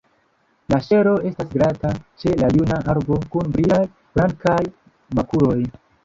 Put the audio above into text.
La ŝelo estas glata ĉe la juna arbo, kun brilaj, blankaj makuloj.